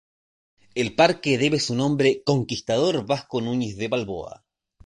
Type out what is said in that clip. El parque debe su nombre Conquistador Vasco Núñez de Balboa.